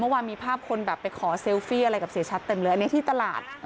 เมื่อวานมีภาพคนแบบไปขอเซลฟี่อะไรกับเสียชัดเต็มเลยอันนี้ที่ตลาด